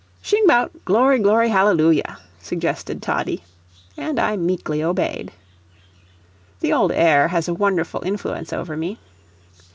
"Shing 'bout 'Glory, glory, hallelulyah,'" suggested Toddie, and I meekly obeyed. The old air has a wonderful influence over me.